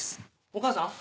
お母さん？